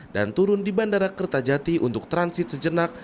dan turun di bandara kertajati untuk transit sejenak